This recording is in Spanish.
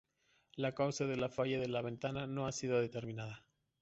La causa de la falla de la ventana no ha sido determinada.